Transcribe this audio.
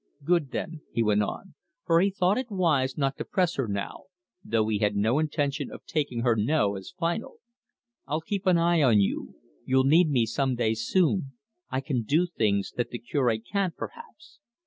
"Good, then," he went on, for he thought it wise not to press her now, though he had no intention of taking her no as final. "I'll keep an eye on you. You'll need me some day soon; I can do things that the Cure can't, perhaps."